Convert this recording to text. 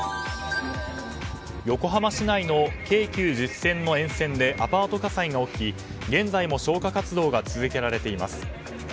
横浜市内の京急逗子線の沿線でアパート火災が起き現在も消火活動が続けられています。